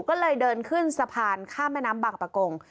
ก็เลยเดินขึ้นสะพานข้ามแม่น้ำบางประกง